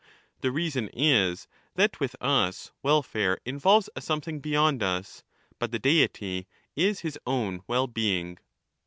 The reason is, that \vith jjs welfare involves a something beyond us, but the deity is his own well being.